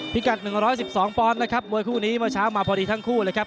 พิกัดหนึ่งร้อยสิบสองปอนด์นะครับมวยคู่นี้เมื่อเช้ามาพอดีทั้งคู่เลยครับ